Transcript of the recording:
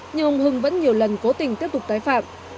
nhưng ông hưng vẫn nhiều lần cố tình tiếp tục tái phạm